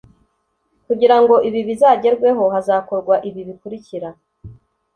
Kugira ngo ibi bizagerweho hazakorwa ibi bikurikira